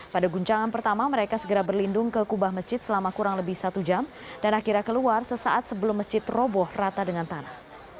pada guncangan pertama mereka segera berlindung ke kubah masjid selama kurang lebih satu jam dan akhirnya keluar sesaat sebelum masjid roboh rata dengan tanah